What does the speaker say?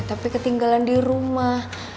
tapi ketinggalan di rumah